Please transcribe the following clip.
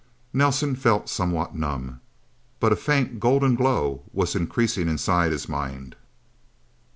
Nelsen felt somewhat numb. But a faint, golden glow was increasing inside his mind.